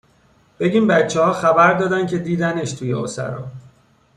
بگیم بچه ها خبر دادن که دیدنش توی اُسرا